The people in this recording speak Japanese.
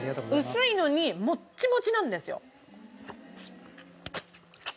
薄いのにモッチモチなんですよ。